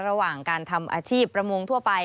ระหว่างการทำอาชีพประมงทั่วไป